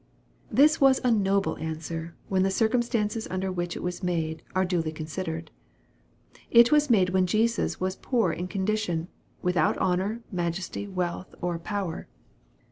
This was a noble answer, when the circumstances under which it was made are duly considered. It was made when Jesus was poor in condition, without honor, majesty, wealth, or power.